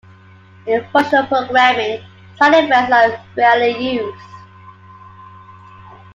In functional programming, side effects are rarely used.